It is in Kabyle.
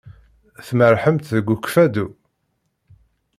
Tmerrḥemt deg Ukfadu?